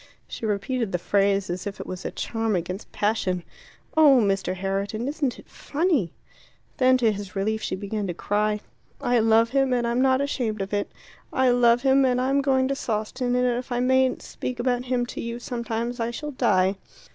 She repeated the phrase as if it was a charm against passion. "Oh, Mr. Herriton, isn't it funny!" Then, to his relief, she began to cry. "I love him, and I'm not ashamed of it. I love him, and I'm going to Sawston, and if I mayn't speak about him to you sometimes, I shall die."